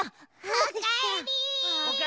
おかえり！